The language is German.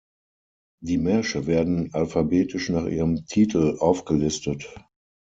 Die Märsche werden alphabetisch nach ihrem Titel aufgelistet.